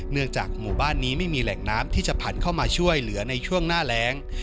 เนื่องจากหมู่บ้านนี้ไม่มีแหล่งน้ำที่จะผันเข้ามาช่วยเหลือในช่วงหน้าแรง